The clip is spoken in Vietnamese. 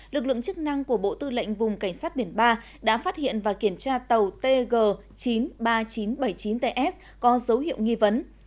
lực lượng chức năng của bộ tư lệnh vùng cảnh sát biển ba đã phát hiện và kiểm tra tàu tg chín mươi ba nghìn chín trăm bảy mươi chín ts có dấu hiệu nghi vấn